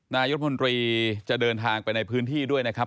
นายรัฐมนตรีจะเดินทางไปในพื้นที่ด้วยนะครับ